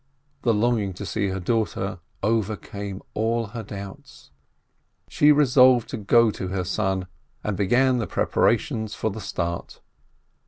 The longing to see her daughter overcame all her doubts. She resolved to go to her son, and began preparations for the start.